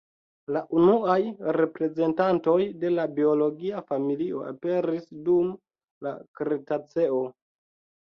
La unuaj reprezentantoj de la biologia familio aperis dum la kretaceo.